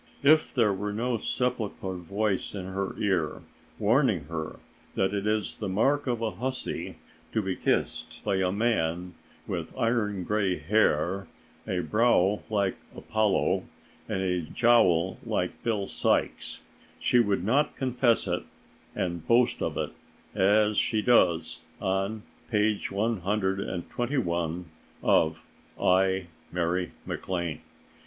If there were no sepulchral voice in her ear, warning her that it is the mark of a hussy to be kissed by a man with "iron gray hair, a brow like Apollo and a jowl like Bill Sykes," she would not confess it and boast of it, as she does on page 121 of "I, Mary MacLane."